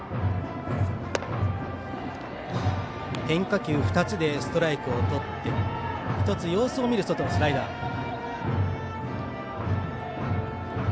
変化球２つでストライクをとって１つ、様子を見る外のスライダー。